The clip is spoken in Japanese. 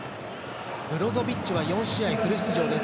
ブロゾビッチは４試合フル出場です。